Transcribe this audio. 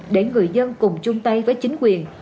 để người dân cùng chung tay với chính quyền